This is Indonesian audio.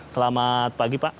selamat pagi pak